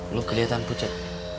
lo kelihatan pucat